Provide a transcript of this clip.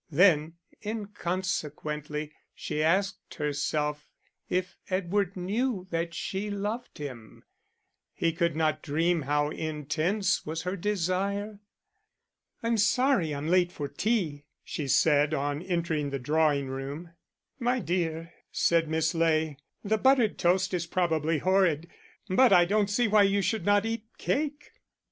Then, inconsequently, she asked herself if Edward knew that she loved him; he could not dream how intense was her desire. "I'm sorry I'm late for tea," she said, on entering the drawing room. "My dear," said Miss Ley, "the buttered toast is probably horrid, but I don't see why you should not eat cake."